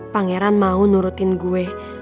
pangeran mau nurutin gue